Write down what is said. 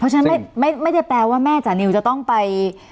เพราะฉะนั้นไม่ได้แปลว่าแม่จานิวจะต้องไป